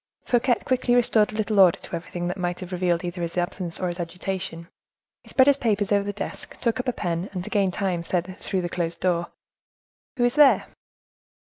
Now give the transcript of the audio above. Fouquet quickly restored a little order to everything that might have revealed either his absence or his agitation: he spread his papers over the desk, took up a pen, and, to gain time, said, through the closed door,—"Who is there?"